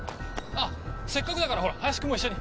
せっかくだから林君も一緒に。